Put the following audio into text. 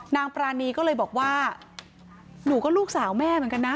ปรานีก็เลยบอกว่าหนูก็ลูกสาวแม่เหมือนกันนะ